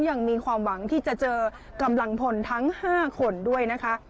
ยังมีความหวังที่จะเจอกำลังพลทั้ง๕คนด้วยนะคะ